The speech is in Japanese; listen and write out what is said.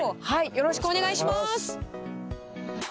よろしくお願いします。